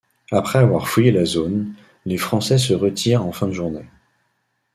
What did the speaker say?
Après avoir fouillé la zone, les Français se retirent en fin de journée.